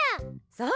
そう。